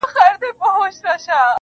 چي ستا له سونډو نه خندا وړي څوك.